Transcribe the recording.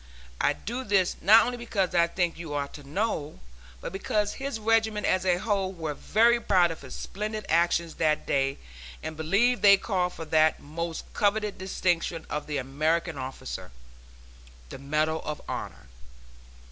I do this not only because I think you ought to know, but because his regiment as a whole were very proud of his splendid actions that day and believe they call for that most coveted distinction of the American officer, the Medal of Honor.